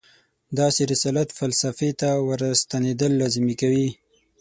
داسې رسالت فلسفې ته ورستنېدل لازمي کوي.